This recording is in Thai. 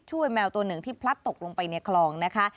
แมวตัวหนึ่งที่พลัดตกลงไปในคลองนะคะ